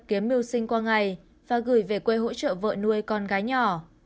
kiếm mưu sinh qua ngày và gửi về quê hỗ trợ vợ nuôi con gái nhỏ